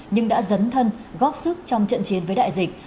nhưng đã dấn thân góp sức trong trận chiến với đại dịch